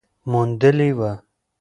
موندلې وه